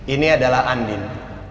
ini adalah andin